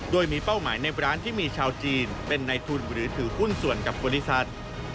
โดยมีเป้าหมายในร้านที่มีชาวจีนเป็นในทุนหรือถือหุ้นส่วนกับบริษัท